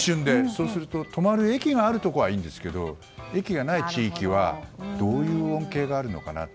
そうすると止まる駅があるところはいいんですけど駅がない地域にどういう恩恵があるのかな。